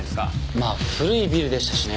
まあ古いビルでしたしね。